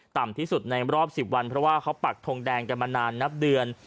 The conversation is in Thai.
ต่ำที่สุดในรอบ๑๐วันเพราะว่าเขาปักทงแดงกันมานานนับเดือน